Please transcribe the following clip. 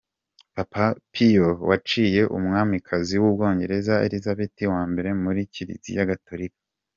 Papa Piyo wa yaciye umwamikazi w’ubwongereza Elizabeth wa mbere muri Kiliziya Gatolika.